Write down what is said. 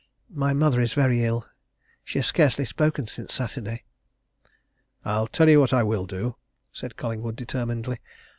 My mother is very ill she has scarcely spoken since Saturday." "I'll tell you what I will do," said Collingwood determinedly.